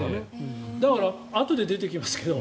だから、あとで出てきますけど